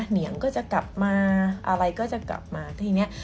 เหนียงก็จะกลับมาอะไรก็จะกลับมาทีเนี้ย